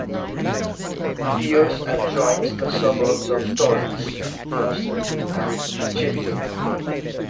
Pearce adjoins the suburbs of Torrens, Mawson and Chifley.